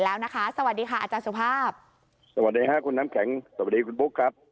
แล้วนะคะสวัสดีค่ะอาจารย์สุภาพสวัสดีค่ะคุณน้ำแข็งสวัสดีคุณบุ๊คครับ